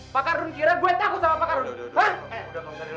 pak ardun kira gue takut sama pak ardun